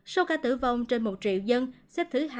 số ca tử vong trên một triệu dân xếp thứ hai mươi tám